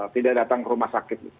tidak datang ke rumah sakit